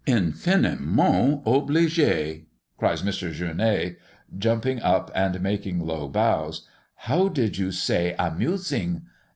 "In fi ni ment obligé," cries M. Gueronnay, jumping up and making low bows. "How did you say a mu sing?